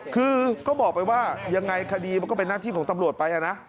คือก็บอกไปว่ายังไงคดีมันก็เป็นหน้าที่ของตำรวจไปนะ